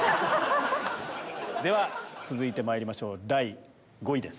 では続いてまいりましょう第５位です。